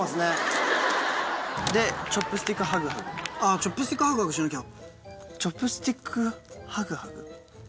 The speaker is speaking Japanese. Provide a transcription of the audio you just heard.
チョップスティックハグハグしなきゃ。